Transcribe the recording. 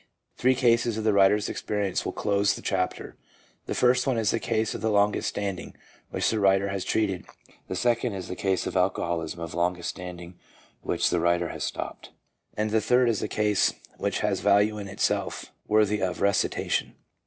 Three cases of the w r riter's experience will close the chapter. The first one is the case of longest stand ing w T hich the writer has treated, the second is the case of alcoholism of longest standing which the writer has stopped, and the third is a case which has value in itself worthy of recitation.